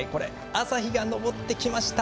朝日が昇ってきました。